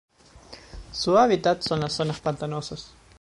Su hábitat son las zonas pantanosas.